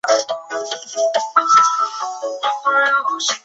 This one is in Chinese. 分区委员会的主席又成为民政区委员会的成员。